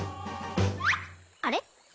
あれ？